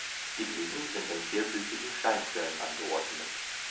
Die Blüten sind in vielblütigen Scheinquirlen angeordnet.